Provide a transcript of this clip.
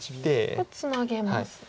これツナげますね。